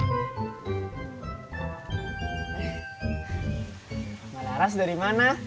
eh malah ras dari mana